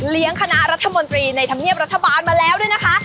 คณะรัฐมนตรีในธรรมเนียบรัฐบาลมาแล้วด้วยนะคะ